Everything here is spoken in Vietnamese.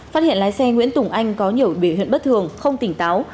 phát hiện lái xe nguyễn tùng anh có nhiều biểu hiện bất thường không tỉnh táo